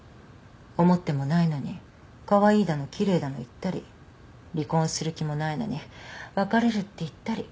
思ってもないのにカワイイだの奇麗だの言ったり離婚する気もないのに別れるって言ったり。